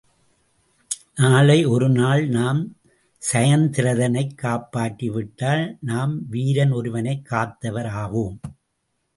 நாளை ஒரு நாள் நாம் சயத்திரதனைக் காப்பாற்றி விட்டால் நாம் வீரன் ஒருவனைக் காத்தவர் ஆவோம்.